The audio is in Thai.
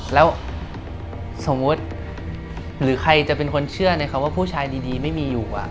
แล้วสมมุติหรือใครจะเป็นคนเชื่อในคำว่าผู้ชายดีไม่มีอยู่